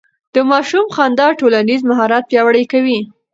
د ماشوم خندا ټولنيز مهارت پياوړی کوي.